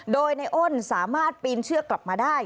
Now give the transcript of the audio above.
โดยในอ้นสามารถปีนเชือกกลับมาได้